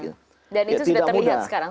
dan itu sudah terlihat sekarang